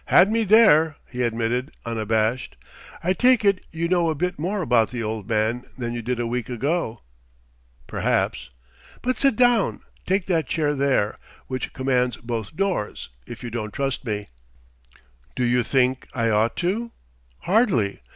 "Had me there!" he admitted, unabashed. "I take it you know a bit more about the Old Man than you did a week ago?" "Perhaps." "But sit down: take that chair there, which commands both doors, if you don't trust me." "Do you think I ought to?" "Hardly.